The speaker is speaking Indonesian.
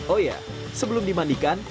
oh ya sebelum dimandikan